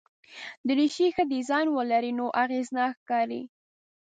دریشي ښه ډیزاین ولري نو اغېزناک ښکاري.